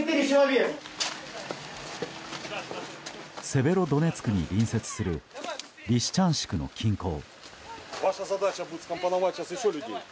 セベロドネツクに隣接するリシチャンシクの近郊。